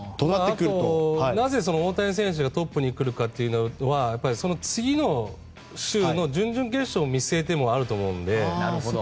なぜ大谷選手がトップに来るかっていうのはその次の週の準々決勝を見据えてもあると思うので。